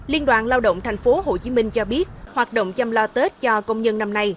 liên đoàn lao động thành phố hồ chí minh cho biết hoạt động chăm lo tết cho công nhân năm nay